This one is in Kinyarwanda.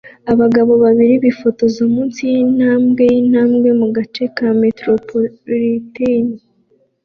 Abagabo babiri bifotoza munsi yintambwe yintambwe mugace ka metropolitain